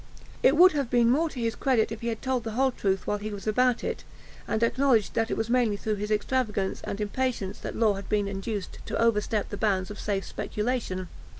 It would have been more to his credit if he had told the whole truth while he was about it, and acknowledged that it was mainly through his extravagance and impatience that Law had been induced to overstep the bounds of safe speculation.